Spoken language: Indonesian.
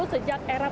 sejak era pemerintah